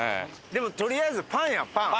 でもとりあえずパンやパン！